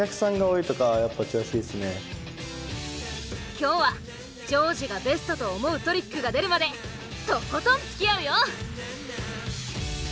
今日は丈司がベストと思うトリックが出るまでとことんつきあうよ！